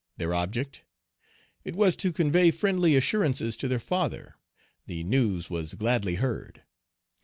Their object? It was to convey friendly assurances to their father. The news was gladly heard.